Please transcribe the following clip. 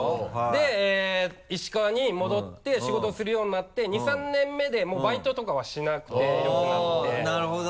で石川に戻って仕事をするようになって２３年目でもうバイトとかはしなくてよくなってなるほど。